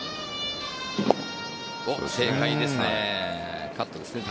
正解ですね。